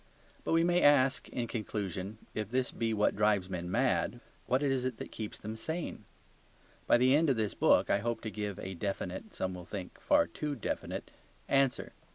But we may ask in conclusion, if this be what drives men mad, what is it that keeps them sane? By the end of this book I hope to give a definite, some will think a far too definite, answer.